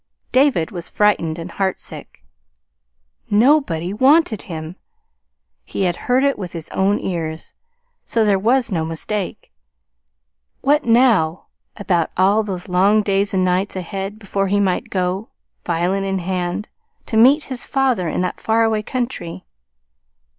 David was frightened and heartsick. NOBODY WANTED HIM. He had heard it with his own ears, so there was no mistake. What now about all those long days and nights ahead before he might go, violin in hand, to meet his father in that far away country?